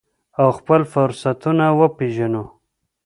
او خپل فرصتونه وپیژنو.